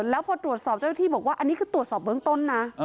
แล้วพอตรวจสอบเจ้าหน้าที่บอกว่าอันนี้คือตรวจสอบเบื้องต้นนะ